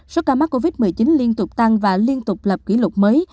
số ca mắc covid một mươi chín liên tục tăng và liên tục lập kỷ lục mới